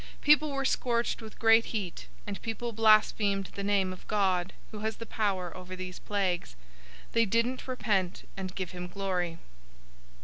016:009 People were scorched with great heat, and people blasphemed the name of God who has the power over these plagues. They didn't repent and give him glory.